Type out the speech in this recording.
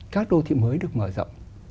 các đô thị mới được mở rộng